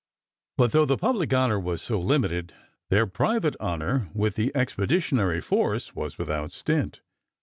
But though their public honor was so limited, their private honor with the Expeditionary Force was without stint.